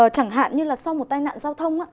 chẳng hạn như là sau một tai nạn giao thông á